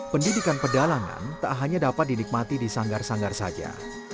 pendidikan pedalangan tak hanya dapat dinikmati di sanggar sanggar saja